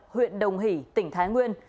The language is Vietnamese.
huyện đồng hỷ tỉnh thái nguyên